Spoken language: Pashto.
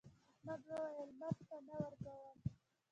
احمد وويل: مرگ ته نه ورکوم.